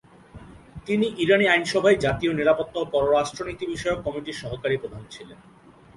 তিনি ইরানি আইনভায় জাতীয় নিরাপত্তা ও পররাষ্ট্রনীতি বিষয়ক কমিটির সহকারী প্রধান ছিলেন।